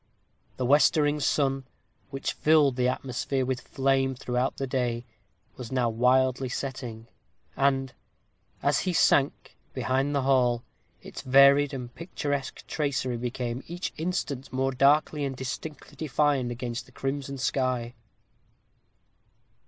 The westering sun, which filled the atmosphere with flame throughout the day, was now wildly setting; and, as he sank behind the hall, its varied and picturesque tracery became each instant more darkly and distinctly defined against the crimson sky.